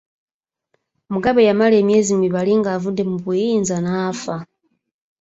Mugabe yamala emyezi mibale ng’avudde mu buyinza n’afa.